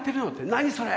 「何それ⁉」。